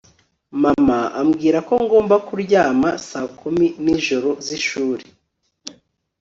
Mama ambwira ko ngomba kuryama saa kumi nijoro zishuri